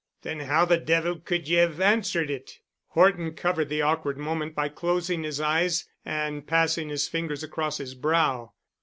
"Then how the devil could ye have answered it?" Horton covered the awkward moment by closing his eyes and passing his fingers across his brow.